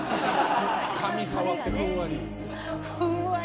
髪触ってふんわり。